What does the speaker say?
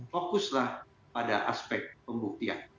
fokuslah pada aspek pembuktian